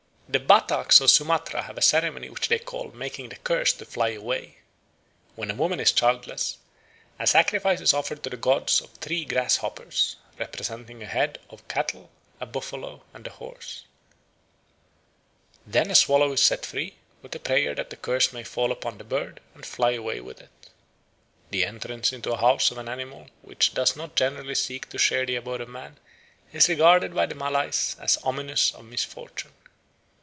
The Bataks of Sumatra have a ceremony which they call "making the curse to fly away." When a woman is childless, a sacrifice is offered to the gods of three grasshoppers, representing a head of cattle, a buffalo, and a horse. Then a swallow is set free, with a prayer that the curse may fall upon the bird and fly away with it. "The entrance into a house of an animal which does not generally seek to share the abode of man is regarded by the Malays as ominous of misfortune.